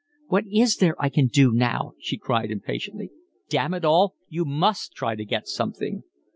"What is there I can do now?" she cried impatiently. "Damn it all, you MUST try to get something."